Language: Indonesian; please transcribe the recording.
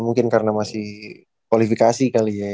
mungkin karena masih kualifikasi kali ya